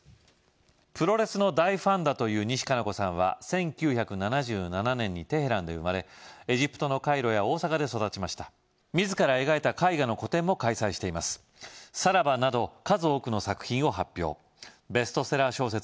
プロレスの大ファンだという西加奈子さんは１９７７年にテヘランで生まれエジプトのカイロや大阪で育ちましたみずから描いた絵画の個展も開催していますサラバ！など数多くの作品を発表ベストセラー小説